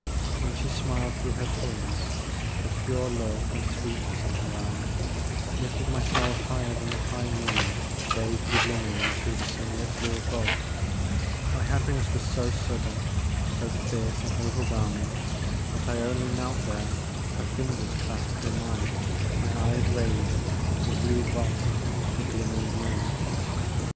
When she smiled through her tears, the pure love and sweetness in her eyes lifted my soul higher than the high moon vaguely glimmering through the sun lit blue above. My happiness was so sudden, so fierce and overwhelming that I only knelt there, her fingers clasped in mine, my eyes raised to the blue vault and the glimmering moon.